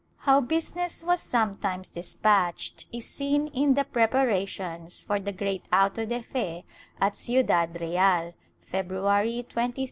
How busi ness was sometimes despatched is seen in the preparations for the great auto de fe at Ciudad Real, February 23, 1484.